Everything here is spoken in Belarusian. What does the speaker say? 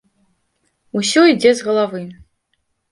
Усё ідзе з галавы.